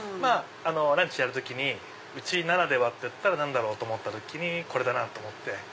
ランチやる時にうちならではって何だろう？と思った時にこれだなと思って。